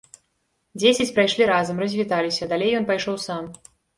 Дзесяць прайшлі разам, развіталіся, далей ён пайшоў сам.